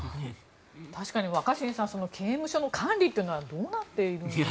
確かに若新さん刑務所の管理というのはどうなっているんですかね。